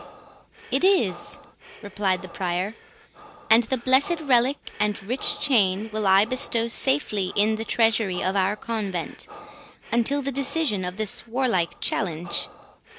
"It is," replied the Prior; "and the blessed relic and rich chain will I bestow safely in the treasury of our convent, until the decision of this warlike challenge."